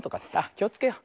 きをつけよう。